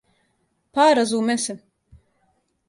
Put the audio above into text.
Па, разуме се.